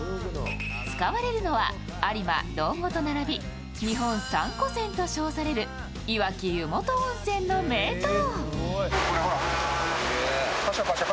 使われるのは有馬、道後とならび日本三古泉と称されるいわき湯本温泉の名湯。